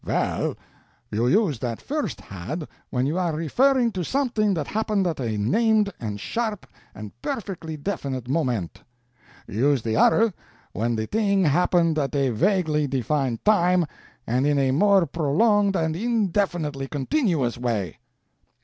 "Well, you use that first Had when you are referring to something that happened at a named and sharp and perfectly definite moment; you use the other when the thing happened at a vaguely defined time and in a more prolonged and indefinitely continuous way."